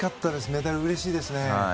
メダル、うれしいですね。